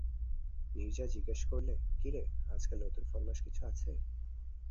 নীরজা জিজ্ঞাসা করলে, কী রে, আজকাল নতুন ফরমাশ কিছু আছে?